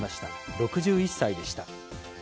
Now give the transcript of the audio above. ６１歳でした。